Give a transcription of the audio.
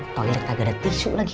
tolet ada tisu lagi